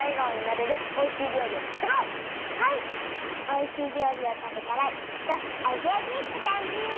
おいしいりょうりをたべたらきっとアゲアゲってかんじ！